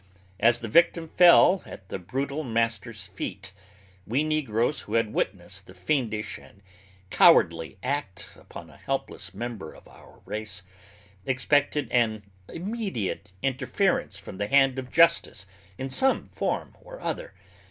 As the victim fell at the brutal master's feet, we negroes who had witnessed the fiendish and cowardly act upon a helpless member of our race, expected an immediate interference from the hand of justice in some form or other.